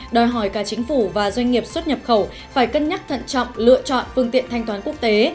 đòi hỏi cả chính phủ và doanh nghiệp xuất nhập khẩu phải cân nhắc thận trọng lựa chọn phương tiện thanh toán quốc tế